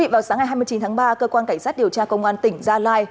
vào sáng ngày hai mươi chín tháng ba cơ quan cảnh sát điều tra công an tỉnh gia lai